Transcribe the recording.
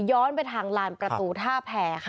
ย้อนไปทางลานประตูท่าแผ่ค่ะ